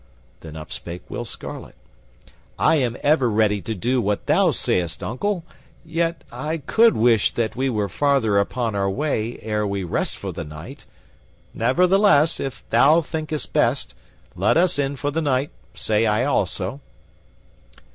Then up spake Will Scarlet: "I am ever ready to do what thou sayest, uncle, yet I could wish that we were farther upon our way ere we rest for the night. Nevertheless, if thou thinkest best, let us in for the night, say I also."